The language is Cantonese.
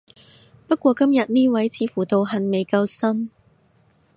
不過今日呢位似乎道行未夠深